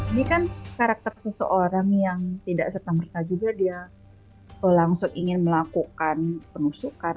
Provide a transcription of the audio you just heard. ini kan karakter seseorang yang tidak serta merta juga dia langsung ingin melakukan penusukan